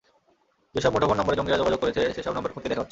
যেসব মুঠোফোন নম্বরে জঙ্গিরা যোগাযোগ করেছে, সেসব নম্বর খতিয়ে দেখা হচ্ছে।